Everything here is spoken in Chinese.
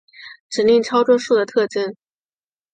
指令操作数的特征